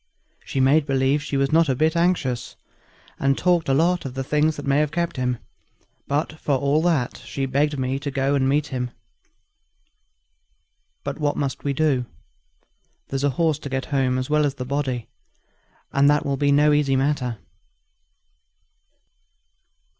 She made believe she was not a bit anxious, and talked of a lot of things that might have kept him. But for all that she begged me to go and meet him. But what must we do? There's the horse to get home as well as the body, and that will be no easy matter."